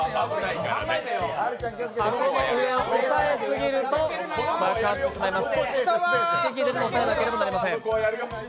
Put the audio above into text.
上を押さえすぎると爆発してしまいます